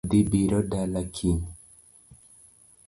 Baba dhi biro dala kiny